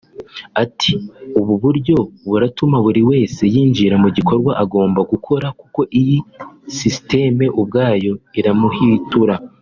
Ati ˝Ubu buryo buratuma buri wese yinjira mu gikorwa agomba gukora kuko iyi sisiteme ubwayo iramuhwitura